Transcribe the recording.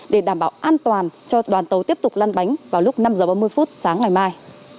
để đảm bảo an toàn cho đoàn tàu tiếp tục lan bánh vào lúc năm h ba mươi phút sáng ngày mai